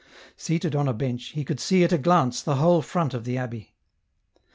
Seated on a bench, he could see at a glance the whole front of the abbey.